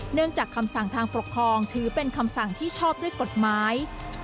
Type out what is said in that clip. เนื่องจากคำสั่งทางปกครองถือเป็นคำสั่งที่ชอบด้วยกฎหมาย